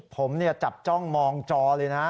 ผมจับจ้องมองจอเลยนะ